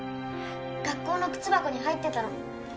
学校の靴箱に入ってたの